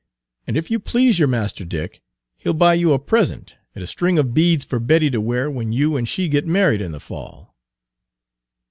And if you please your master Dick, he 'll buy you a present, and a string of beads for Betty to wear when you and she get married in the fall."